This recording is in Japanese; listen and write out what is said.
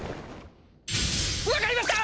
分かりました！